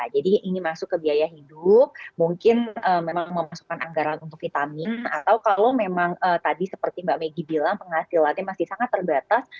jadi ini masuk ke biaya hidup mungkin memang memasukkan anggaran untuk vitamin atau kalau memang tadi seperti mbak meggy bilang penghasilannya masih sangat terbatas